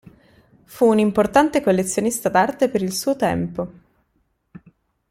Fu un importante collezionista d'arte per il suo tempo.